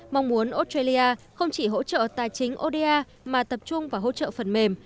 mong muốn australia không chỉ hỗ trợ tài chính oda mà tập trung vào hỗ trợ phần mềm